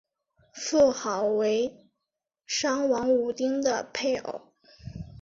妇好为商王武丁的配偶。